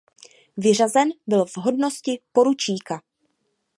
Vyřazen byl v hodnosti poručíka.